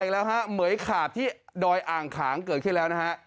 อีกแล้วฮะเหมือยขาบที่ดอยอ่างขางเกิดขึ้นแล้วนะฮะ